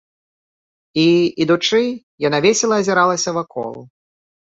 І, ідучы, яна весела азіралася вакол.